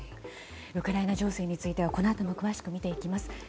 ウクライナ情勢についてはこのあとも詳しく見ていきます。